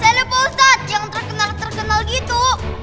saya lihat pak ustadz yang terkenal terkenal gitu